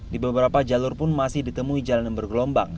di beberapa jalur pun masih ditemui jalan yang bergelombang